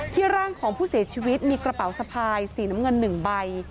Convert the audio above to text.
ร่างของผู้เสียชีวิตมีกระเป๋าสะพายสีน้ำเงิน๑ใบ